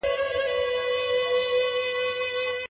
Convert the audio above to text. يووالی د ملت طاقت دی.